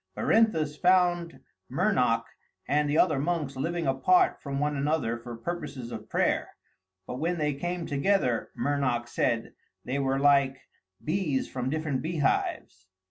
Berinthus found Mernoc and the other monks living apart from one another for purposes of prayer, but when they came together, Mernoc said, they were like bees from different beehives.